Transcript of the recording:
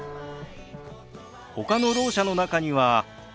ほかのろう者の中には。